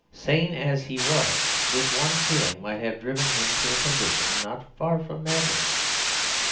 Sane as he was, this one feeling might have driven him to a condition not far from madness.